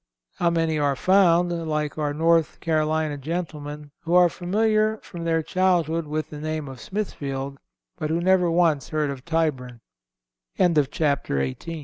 How many are found, like our North Carolina gentleman, who are familiar from their childhood with the name of Smithfield, but who never once heard of _Tyb